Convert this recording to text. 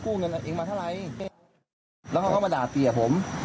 เราก็ไม่รู้ว่าแฟนผม